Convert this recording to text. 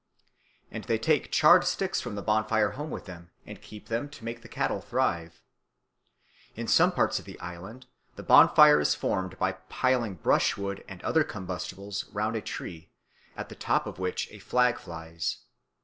And they take charred sticks from the bonfire home with them and keep them to make the cattle thrive. In some parts of the island the bonfire is formed by piling brushwood and other combustibles round a tree, at the top of which a flag flies.